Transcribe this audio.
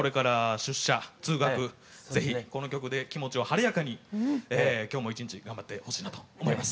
是非この曲で気持ちを晴れやかに今日も一日頑張ってほしいなと思います。